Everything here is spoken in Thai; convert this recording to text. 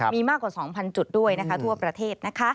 มีมากกว่า๒๐๐จุดด้วยทั่วประเทศ